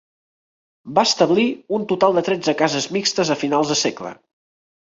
Va establir un total de tretze cases mixtes a finals de segle.